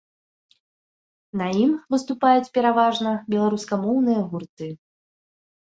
На ім выступаюць пераважна беларускамоўныя гурты.